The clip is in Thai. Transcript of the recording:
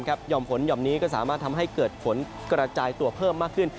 ห่อมฝนหย่อมนี้ก็สามารถทำให้เกิดฝนกระจายตัวเพิ่มมากขึ้น